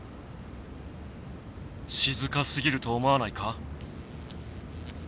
しずかすぎると思わないか。